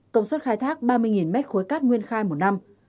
công suất khai thác ba mươi mét khối cát nguyên khai một năm